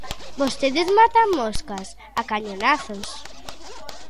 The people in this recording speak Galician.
Vostedes matan moscas a cañonazos.